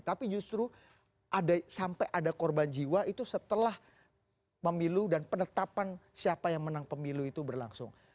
tapi justru sampai ada korban jiwa itu setelah pemilu dan penetapan siapa yang menang pemilu itu berlangsung